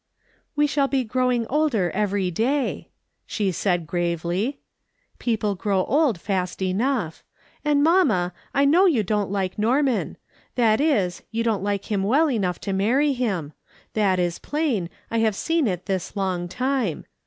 " "We shall be growing older every day," she said gravely. "People grow old fast enough. And mamma, I know you don^t like Norman — that is, you don't like him well enough to marry him — that is plain, I have seen it this long time.